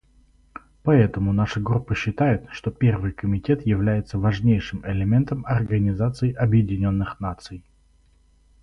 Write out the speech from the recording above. Поэтому наша Группа считает, что Первый комитет является важнейшим элементом Организации Объединенных Наций.